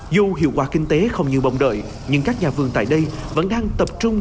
dù hiệu quả kinh tế không như mong đợi nhưng các nhà vườn tại đây vẫn đang tập trung